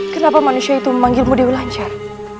kenapa manusia itu memanggilmu dewi lancar